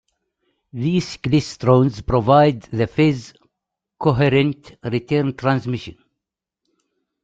These klystrons provide the phase coherent return transmission.